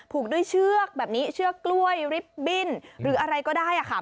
ผูกด้วยเชือกแบบนี้เชือกกล้วยริบบิ้นหรืออะไรก็ได้ค่ะ